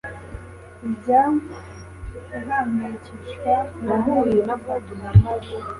ujya uhangayikishwa no gufatwa